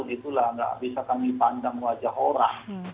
itulah nggak bisa kami pandang wajah orang